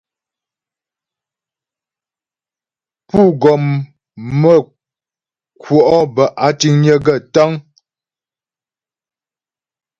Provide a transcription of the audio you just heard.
Pú́ gɔm mə́ kwɔ' bə́ áa tíŋnyə̌ gaə́ tə́ŋ.